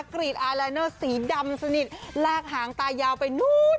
กรีดไอลายเนอร์สีดำสนิทลากหางตายาวไปนู้น